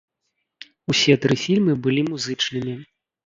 Усе тры фільмы былі музычнымі.